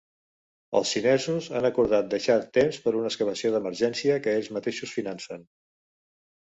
Els xinesos han acordat deixar temps per una excavació d’emergència, que ells mateixos financen.